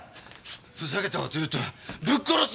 ふざけた事言うとぶっ殺すぞ！